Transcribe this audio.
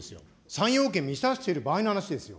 ３要件満たしてる場合の話ですよ。